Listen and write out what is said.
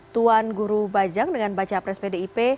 tuan guru bajang dengan baca pres pdip